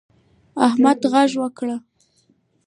احمد غږ وکړ.